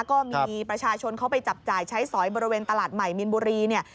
ก็มีประชาชนเขาไปจับจ่ายใช้สอยบริเวณตลาดใหม่มินบุรีเนี่ย